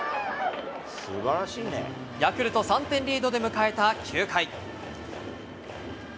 ヤクルト、３点リードで迎えた９回。